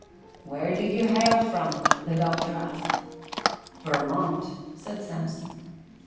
"Where do ye hail from?" the Doctor asked. "Vermont," said Samson.